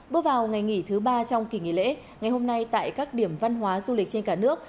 bước vào ngày nghỉ thứ ba trong kỳ nghỉ lễ ngày hôm nay tại các điểm văn hóa du lịch trên cả nước